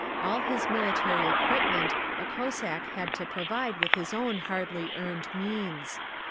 All his military equipment a Cossack had to provide with his own hardly earned means.